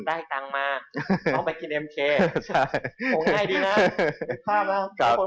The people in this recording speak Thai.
ได้ตังค์มาน้องไปกินเอ็มเคโง่ง่ายดีนะมีค่ามามีคนห่วงคุณอยากกิน